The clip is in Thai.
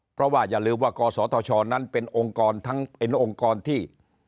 เพราะว่าอย่าลืมว่ากศธชนั้นเป็นองค์กรทั้งเป็นองค์กรที่